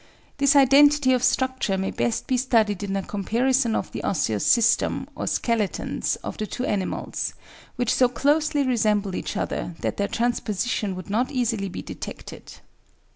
This identity of structure may best be studied in a comparison of the osseous system, or skeletons, of the two animals, which so closely resemble each other that their transposition would not easily be detected.